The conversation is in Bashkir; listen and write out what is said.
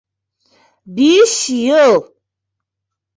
Биш йыл!